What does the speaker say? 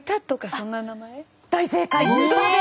大正解。